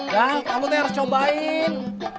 deng kamu harus cobain